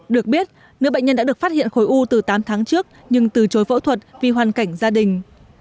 được biết nữ bệnh nhân đã được phát hiện khối u từ tám tháng trước nhưng từ chối phẫu thuật vì hoàn cảnh gia đình